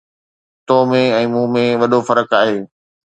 تو ۾۽ مون ۾ وڏو فرق آهي